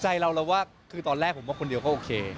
ใจเราเราว่าคือตอนแรกผมว่าคนเดียวก็โอเค